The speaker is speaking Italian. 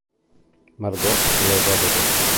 Margot si lega a DeDe.